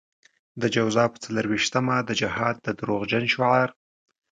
د جوزا په څلور وېشتمه د جهاد د دروغجن شعار.